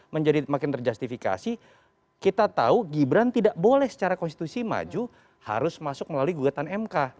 menjadi makin terjustifikasi kita tahu gibran tidak boleh secara konstitusi maju harus masuk melalui gugatan mk